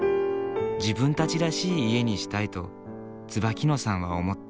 自分たちらしい家にしたいと椿野さんは思った。